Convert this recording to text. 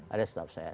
ada setahu saya